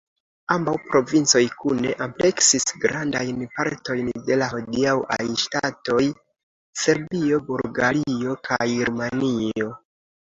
Ambaŭ provincoj kune ampleksis grandajn partojn de la hodiaŭaj ŝtatoj Serbio, Bulgario kaj Rumanio.